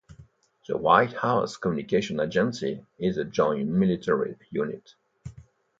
The White House Communications Agency is a joint military unit.